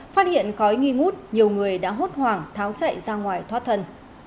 phát hiện khói nghi ngút nhiều người đã hốt hoảng tháo chạy ra ngoài thoát thần